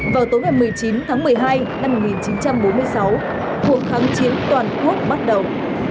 vào tối ngày một mươi chín tháng một mươi hai năm một nghìn chín trăm bốn mươi sáu cuộc kháng chiến toàn quốc bắt đầu